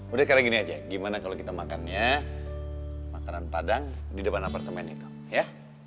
udah sekarang gini aja gimana kalau kita makannya makanan padang di depan apartemen itu ya